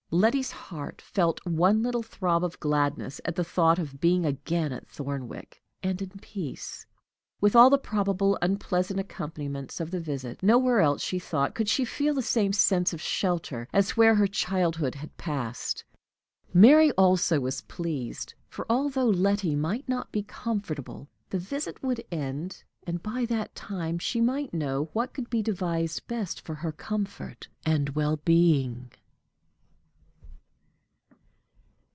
Letty's heart felt one little throb of gladness at the thought of being again at Thornwick, and in peace. With all the probable unpleasant accompaniments of the visit, nowhere else, she thought, could she feel the same sense of shelter as where her childhood had passed. Mary also was pleased; for, although Letty might not be comfortable, the visit would end, and by that time she might know what could be devised best for her comfort and well being.